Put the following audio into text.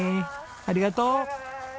ありがとう！